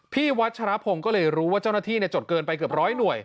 พี่วัฒนภงก็เลยรู้ว่าเจ้าหน้าที่เนี่ยจดเกินไปเกือบร้อยหน่วย